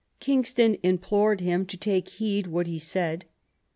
King ston implored him to take heed what he said.